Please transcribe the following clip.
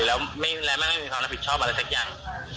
แล้วแม่ไม่มีความรับผิดชอบอะไรสักอย่าง